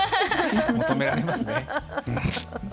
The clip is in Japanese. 求められますね。